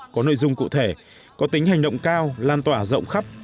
có nội dung cụ thể có tính hành động cao lan tỏa rộng khắp